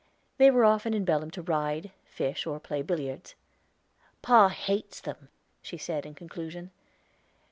They were often in Belem to ride, fish, or play billiards. "Pa hates them," she said in conclusion.